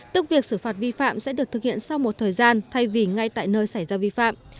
tức việc xử phạt vi phạm sẽ được thực hiện sau một thời gian thay vì ngay tại nơi xảy ra vi phạm